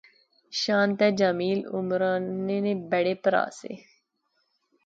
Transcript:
شان تے جمیل عمرانے نے بڑے پرہا سے